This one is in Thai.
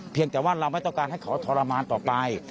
แต่ว่าเราไม่ต้องการให้เขาทรมานต่อไป